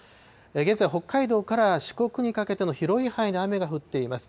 現在、北海道から四国にかけての広い範囲で雨が降っています。